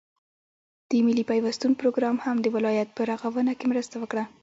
د ملي پيوستون پروگرام هم د ولايت په رغاونه كې مرسته وكړه،